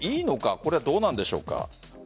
これはどうなんでしょうか。